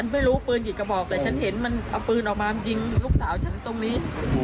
วิ่งออกมามันล้มตรงนี้